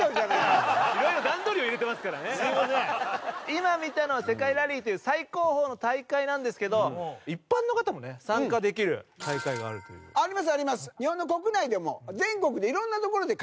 今見たのは世界ラリーという最高峰の大会なんですけど一般の方も参加できる大会があるということで。